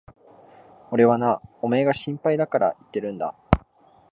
俺はな、おめえが心配だから言ってるんだ。